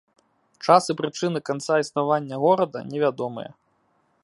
Час і прычыны канца існавання горада невядомыя.